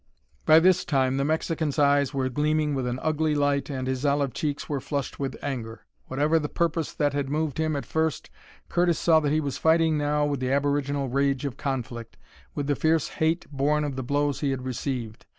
By this time the Mexican's eyes were gleaming with an ugly light and his olive cheeks were flushed with anger. Whatever the purpose that had moved him at first, Curtis saw that he was fighting now with the aboriginal rage of conflict, with the fierce hate born of the blows he had received.